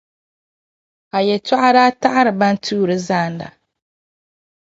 A yɛtɔɣa daa taɣiri bɛn tuuri zaana.